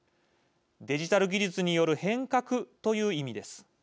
デジタル技術による変革という意味です。